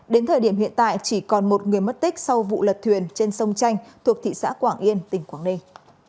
đến thời điểm hiện tại chỉ còn một người mất tích sau vụ lật thuyền trên sông chanh thuộc thị xã quảng yên tỉnh quảng ninh